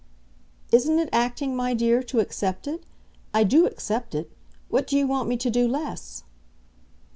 "Isn't it acting, my dear, to accept it? I do accept it. What do you want me to do less?"